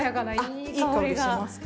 いい香りしますか。